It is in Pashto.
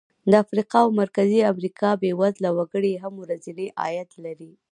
د افریقا او مرکزي امریکا بېوزله وګړي هم ورځنی عاید لري.